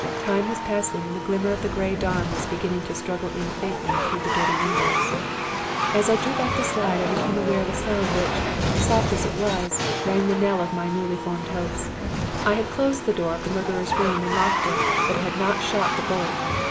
Time was passing and the glimmer of the gray dawn was beginning to struggle in faintly through the dirty windows. "As I drew back the slide I became aware of a sound which, soft as it was, rang the knell of my newly formed hopes. I had closed the door of the murderers' room and locked it, but had not shot the bolt.